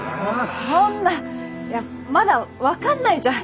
そんなまだ分かんないじゃん！